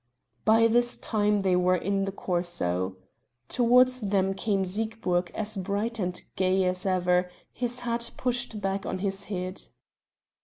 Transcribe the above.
By this time they were in the Corso. Towards them came Siegburg, as bright and gay as ever, his hat pushed back on his head.